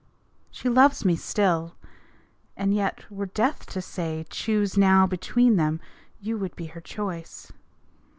She loves me still! and yet, were Death to say, "Choose now between them!" you would be her choice.